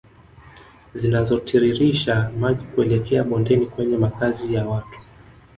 Zinazotiririsha maji kuelekea bondeni kwenye makazi ya watu